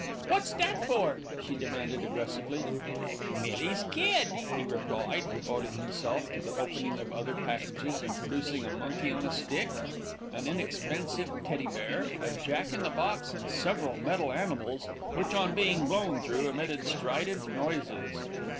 "What's that for?" she demanded aggressively. "Millie's kid," he replied, devoting himself to the opening of other packages, and producing a monkey on a stick, an inexpensive teddy bear, a jack in the box and several metal animals, which on being blown through emitted strident noises.